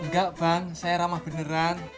enggak ban saya ramah beneran